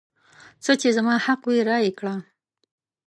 څه چې زما حق وي رایې کړه.